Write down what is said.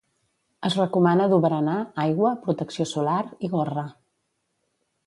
Es recomana dur berenar, aigua, protecció solar i gorra.